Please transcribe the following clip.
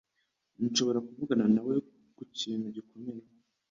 Nshobora kuvugana nawe kukintu gikomeye?